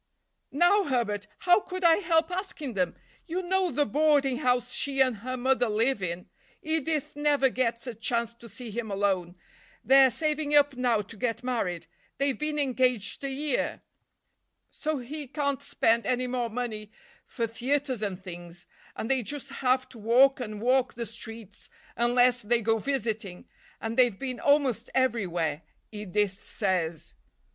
_" "Now Herbert, how could I help asking them? You know the boarding house she and her mother live in. Edith never gets a chance to see him alone. They're saving up now to get married—they've been engaged a year—so he can't spend any more money for theaters and things, and they just have to walk and walk the streets, unless they go visiting, and they've been almost everywhere, Edith says.